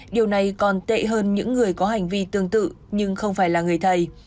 hãy hãy hơn những người có hành vi tương tự nhưng không phải là người thầy